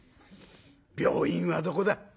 病院はどこだ？」。